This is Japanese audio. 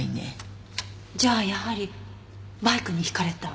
じゃあやはりバイクにひかれた。